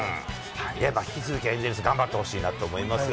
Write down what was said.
引き続きエンゼルス、頑張ってほしいなと思いますが。